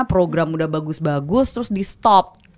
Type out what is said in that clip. program udah bagus bagus terus di stop